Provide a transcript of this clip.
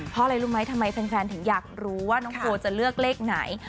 เพราะอะไรรู้ไหมทำไมแฟนถึงอยากรู้ว่าน้องโพลจะเลือกเลขไหน